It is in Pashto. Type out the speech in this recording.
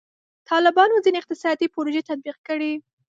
طالبانو ځینې اقتصادي پروژې تطبیق کړي.